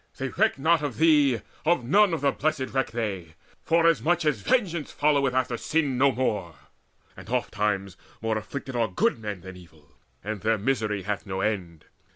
They reck not of thee, Of none of the Blessed reck they, forasmuch As vengeance followeth after sin no more; And ofttimes more afflicted are good men Than evil, and their misery hath no end.